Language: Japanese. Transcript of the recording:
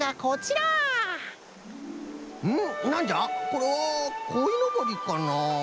これはこいのぼりかなあ？